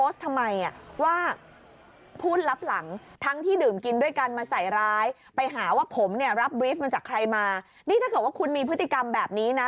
นี่ถ้าเกิดว่าคุณมีพฤติกรรมแบบนี้นะ